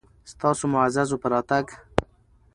ستاسو معززو په راتګ